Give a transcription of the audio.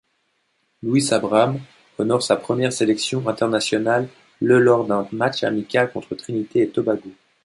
Luis Abram honore sa première sélection internationale le lors d'un match amical contre Trinité-et-Tobago.